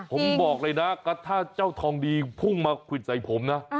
ผมบอกเลยนะก็ถ้าเจ้าทองดีพุ่งมาควิดใส่ผมนะ